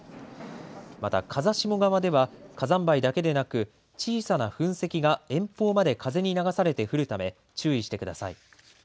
また風下側では、火山灰だけでなく小さな噴石が遠方まで風に流されて降るため注意してください。